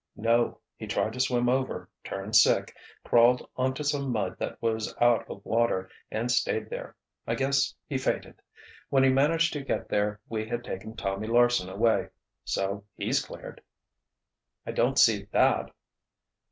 "No. He tried to swim over, turned sick, crawled onto some mud that was out of water and stayed there. I guess he fainted. When he managed to get there, we had taken Tommy Larsen away—so he's cleared!" "I don't see that!"